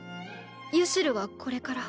ユシルはこれから。